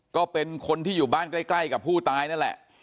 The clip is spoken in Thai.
ก็เป็นคนที่อยู่บ้านใกล้กับผู้ตายนั่นแหละ